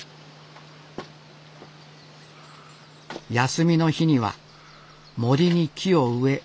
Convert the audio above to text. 休みの日には森に木を植え